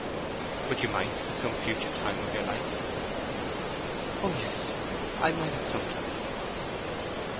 "But you might at some future time of your life?" "Oh yes, I might at some time."